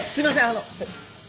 あの。